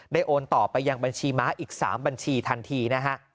โอนต่อไปยังบัญชีม้าอีก๓บัญชีทันทีนะฮะ